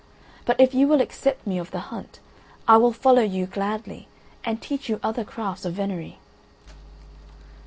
But if you will accept me of the hunt I will follow you gladly and teach you other crafts of venery."